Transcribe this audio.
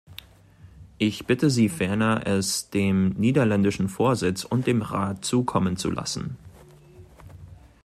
Ich bitte Sie ferner, es dem niederländischen Vorsitz und dem Rat zukommen zu lassen.